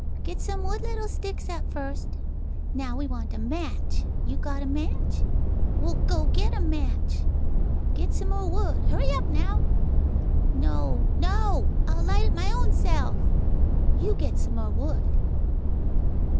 Get some wood little sticks at first. Now we want a match. You got a match? Well, go get a match. Get some more wood. Hurry up, now! No. No! I'll light it my own self. You get some more wood.